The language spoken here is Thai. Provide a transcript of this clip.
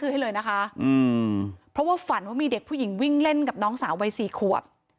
ให้เลยนะคะอืมเพราะว่าฝันว่ามีเด็กผู้หญิงวิ่งเล่นกับน้องสาววัยสี่ขวบ